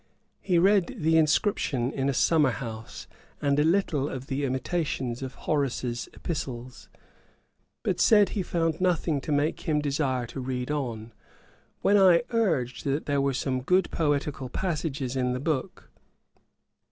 He read the Inscription in a Summer house, and a little of the imitations of Horace's Epistles; but said he found nothing to make him desire to read on. When I urged that there were some good poetical passages in the book.